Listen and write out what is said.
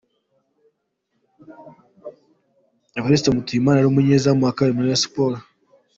Evariste Mutuyimana yari umunyezamu wa kabiri wa Rayon Sports.